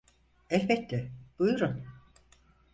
Elbette, buyurun.